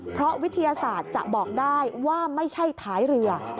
เพราะวิทยาศาสตร์จะบอกได้ว่าไม่ใช่ท้ายเรือ